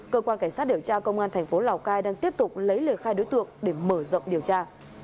cơ quan cảnh sát điều tra công an thành phố lào cai đang tiếp tục lấy lời khai đối tượng để mở rộng điều tra